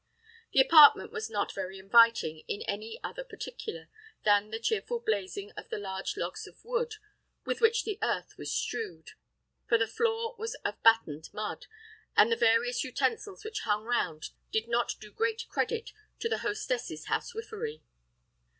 The apartment was not very inviting in any other particular than the cheerful blazing of the large logs of wood with which the earth was strewed, for the floor was of battened mud, and the various utensils which hung round did not do great credit to the hostess's housewifery.